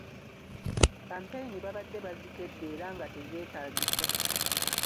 Kkampeyini babadde bazikedde era nga tezeetaagisa.